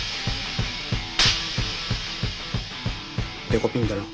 デコピンだな。